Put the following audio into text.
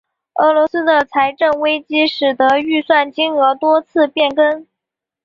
俄罗斯的财政危机使得预算金额多次变更。